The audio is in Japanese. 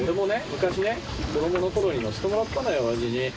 昔ね子どもの頃に乗せてもらったのよおやじに。